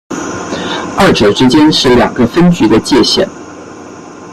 二者之间是两个分局的界线。